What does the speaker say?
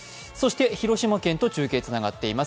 広島県と中継がつながっています。